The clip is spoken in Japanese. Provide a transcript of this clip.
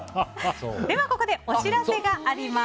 ここでお知らせがあります。